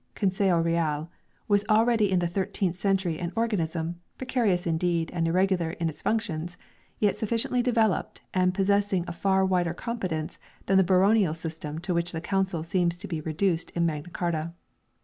SPANISH MEDIEVAL JURISPRUDENCE 235 (Consejo Real) was already in the thirteenth century an organism, precarious indeed and irregular in its functions, yet sufficiently developed and possessing a far wider competence than the baronial system to which the Council seems to be reduced in Magna Carta.